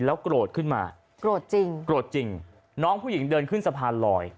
โกรธขึ้นมาโกรธจริงโกรธจริงน้องผู้หญิงเดินขึ้นสะพานลอย